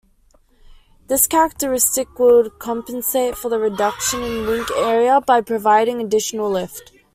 This characteristic would compensate for the reduction in wing area by providing additional lift.